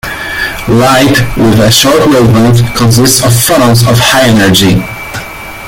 Light with a short wavelength consists of photons of high energy.